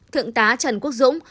thượng tá trần quốc dũng